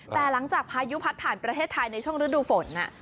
แต่หลังจากพายุพัดผ่านประเทศไทยในช่วงฤดูฝน